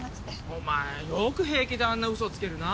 お前よく平気であんな嘘つけるな。